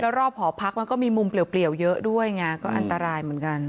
รอบหอพักมันก็มีมุมเปลี่ยวเยอะด้วยไงก็อันตรายเหมือนกัน